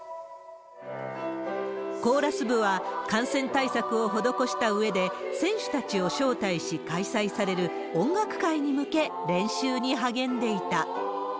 コーラス部は感染対策を施したうえで、選手たちを招待し開催される音楽会に向け練習に励んでいた。